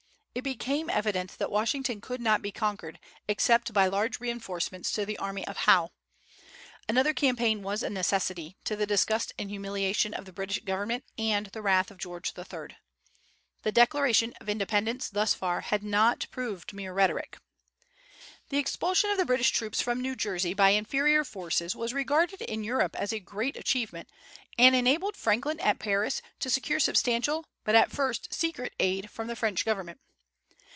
It became evident that Washington could not be conquered except by large reinforcements to the army of Howe. Another campaign was a necessity, to the disgust and humiliation of the British government and the wrath of George III. The Declaration of Independence, thus far, had not proved mere rhetoric. The expulsion of the British troops from New Jersey by inferior forces was regarded in Europe as a great achievement, and enabled Franklin at Paris to secure substantial but at first secret aid from the French Government.